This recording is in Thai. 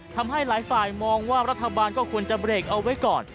ทำให้หลายฝ่ายมองว่ารัฐบาลก็ควรจะเบรกเอาไว้ก่อน